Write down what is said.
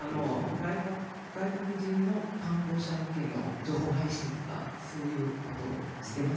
外国人の観光者向けの情報配信とかそういうことをしています